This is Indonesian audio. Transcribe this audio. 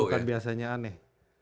bukan biasanya aneh